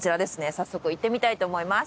早速行ってみたいと思います。